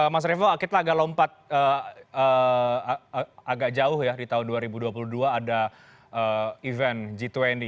mas revo kita agak lompat agak jauh ya di tahun dua ribu dua puluh dua ada event g dua puluh